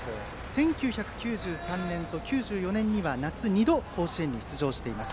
１９９３年と１９９４年には夏、２度甲子園に出場しています。